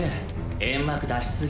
煙幕出しすぎ。